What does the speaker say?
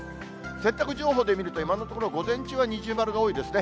洗濯情報で見ると、今のところ、午前中は二重丸が多いですね。